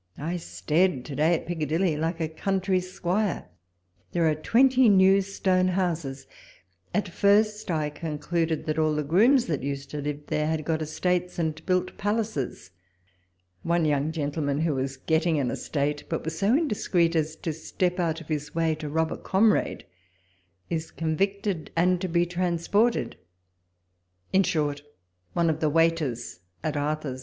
I stared to day at Piccadilly like a country squire ; there are twenty new stone houses: at first I concluded that all the grooms, that used to live there, had got estates, and built palaces. One young gentleman, who was getting an estate, but was so indiscreet as to step out of his way to rob a comrade, is con victed, and to be transported ; in short, one of the waiters at Arthur's.